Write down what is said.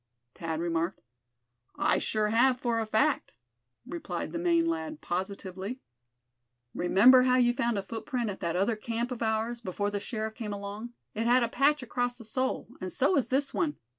Thad remarked. "I sure have, for a fact," replied the Maine lad, positively. "Remember how you found a footprint at that other camp of ours, before the sheriff came along; it had a patch across the sole, and so has this one.